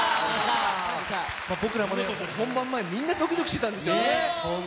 本番前、みんなドキドキしていたんですよ。